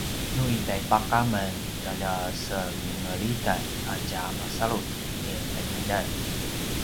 nu i taipaq amen tjalja semingelitan a tja masalut i qinaljan